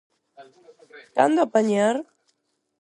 Cando apañar?